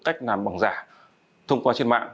cách làm bằng giả thông qua trên mạng